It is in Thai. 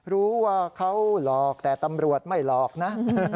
รู้ว่าเขาหลอกแต่ตำรวจไม่หลอกนะ